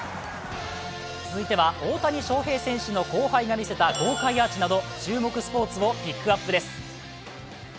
続いては、大谷翔平選手の後輩が見せた豪快アーチなど、注目スポーツをピックアップです。